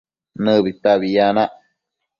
nëbipabi yanac